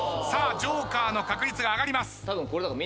さあＪＯＫＥＲの確率が上がります。